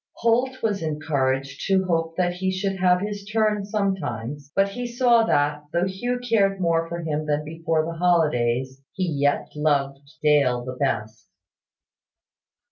Holt was encouraged to hope that he should have his turn sometimes; but he saw that, though Hugh cared more for him than before the holidays, he yet loved Dale the best.